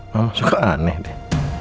mama suka aneh deh